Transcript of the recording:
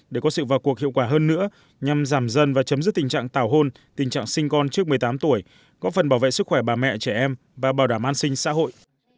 để có sự vào cuộc hiệu quả hơn nữa nhằm giảm dân và chấm dứt tình trạng tào hôn tình trạng sinh con trước một mươi tám tuổi có phần bảo vệ sức khỏe bà mẹ trẻ em và bảo đảm an sinh xã hội